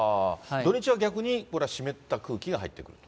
土日は逆にこれは湿った空気が入って？